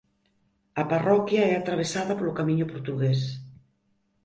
A parroquia é atravesada polo Camiño Portugués.